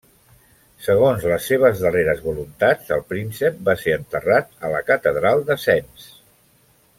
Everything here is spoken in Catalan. Segons les seves darreres voluntats, el príncep va ser enterrat a la catedral de Sens.